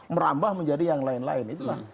merambah menjadi yang lain lain itulah